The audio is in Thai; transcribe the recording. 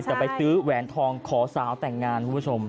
แต่ไปซื้อแหวนทองขอสาวแต่งงาน